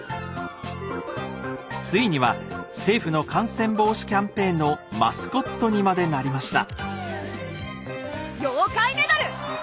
ついには政府の感染防止キャンペーンのマスコットにまでなりました。